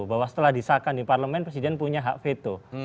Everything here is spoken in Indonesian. bahwa setelah disahkan di parlemen presiden punya hak veto